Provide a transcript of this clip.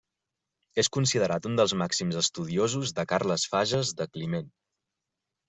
És considerat un dels màxims estudiosos de Carles Fages de Climent.